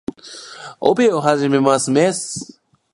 オペを始めます。メス